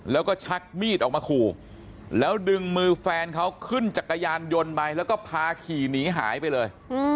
แล้วก็ชักมีดออกมาขู่แล้วดึงมือแฟนเขาขึ้นจักรยานยนต์ไปแล้วก็พาขี่หนีหายไปเลย